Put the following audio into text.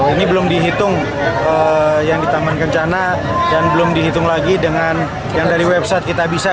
ini belum dihitung yang di taman kencana dan belum dihitung lagi dengan yang dari website kita bisa